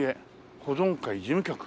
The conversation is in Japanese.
保存会事務局」。